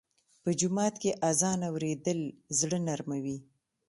په جومات کې اذان اورېدل زړه نرموي.